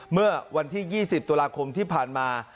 เมื่อวันที่๒๐ตุลาคมที่ผ่านมา